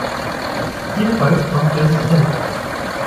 Vielfalt macht resistent.